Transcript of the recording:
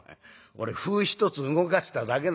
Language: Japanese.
俺歩一つ動かしただけなのに」。